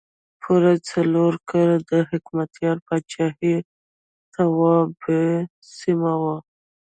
پوره څلور کاله د حکمتیار پاچاهۍ توابع سیمه وه.